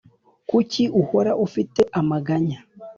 Kuki uhora ufite amaganya